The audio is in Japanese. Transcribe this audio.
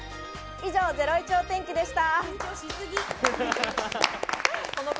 以上、ゼロイチお天気でした。